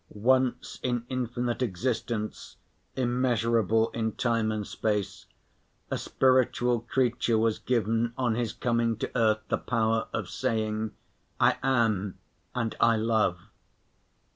Once in infinite existence, immeasurable in time and space, a spiritual creature was given on his coming to earth, the power of saying, "I am and I love."